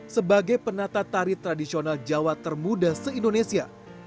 sebagai penata tari tradisional jawa termuda se indonesia